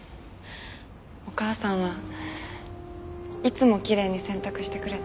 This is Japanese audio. お母さんはいつもきれいに洗濯してくれた。